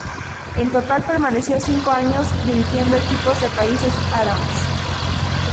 En total permaneció cinco años dirigiendo equipos de países árabes.